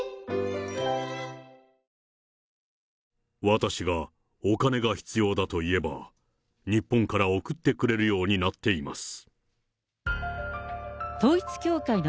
私が、お金が必要だと言えば、日本から送ってくれるようになっています。